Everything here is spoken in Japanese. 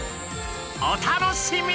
お楽しみに！